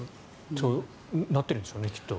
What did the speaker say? そうなってるんでしょうねきっと。